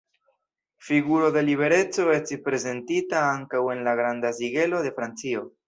Figuro de Libereco estis prezentita ankaŭ en la Granda Sigelo de Francio.